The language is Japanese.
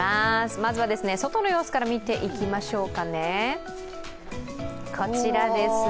まずは外の様子から見ていきましょうかね。